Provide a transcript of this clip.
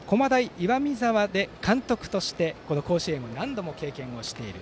岩見沢で監督として甲子園を何度も経験している。